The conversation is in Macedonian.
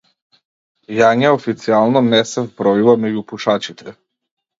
Јања официјално не се вбројува меѓу пушачите.